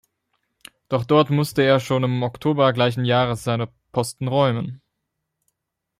Doch dort musste er schon im Oktober gleichen Jahres seine Posten räumen.